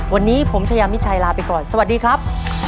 วันนี้ผมชายามิชัยลาไปก่อนสวัสดีครับ